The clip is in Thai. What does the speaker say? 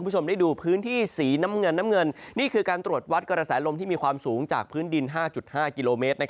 จะตรวจวัดกรแสลมมมมมมมมที่มีความสูงจากพื้นดิน๕๕กิโลเมตร